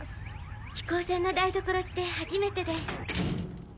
飛行船の台所って初めてで。